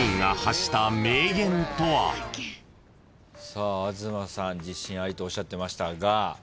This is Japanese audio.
さあ東さん自信ありとおっしゃってましたが。